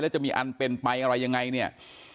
แล้วจะมีอันเป็นไปอะไรยังไงเนี่ย